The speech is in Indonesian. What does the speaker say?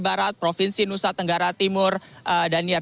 di negara negara provinsi nusa tenggara timur daniar